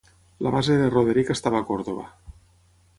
La base de Roderic estava a Còrdova.